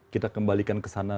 kita kembalikan ke sana